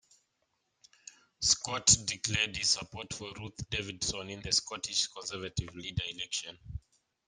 Scott declared his support for Ruth Davidson in the Scottish Conservative leader election.